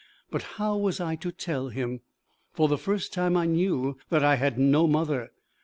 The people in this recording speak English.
But how was I to tell him? For the first time I knew that I had no mother!